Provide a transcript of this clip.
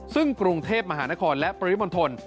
ซึ่งกรุงเทพมหานครและปริมณฑล